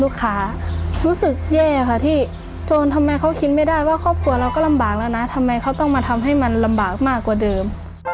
รู้สึกแย่ค่ะที่โจรทำไมเขาคิดไม่ได้ว่าครอบครัวเราก็ลำบากแล้วนะทำไมเขาต้องมาทำให้มันลำบากมากกว่าเดิม